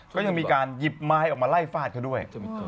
ก็ยังมีการหยิบไม้ออกมาไล่ฟาดเขาด้วย